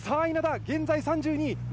稲田、現在３２位。